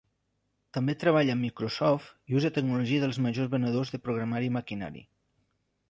També treballa amb Microsoft i usa tecnologia dels majors venedors de programari i maquinari.